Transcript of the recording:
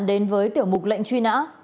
đến với tiểu mục lệnh truy nã